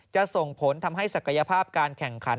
จะส่งผลทำให้ศักยภาพการแข่งขัน